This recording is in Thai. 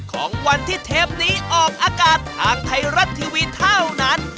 ของวันที่เทปนี้ออกอากาศทางไทยรัฐทีวีเท่านั้น